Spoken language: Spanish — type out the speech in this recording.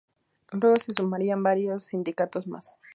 Luego se sumarían varios sindicatos más.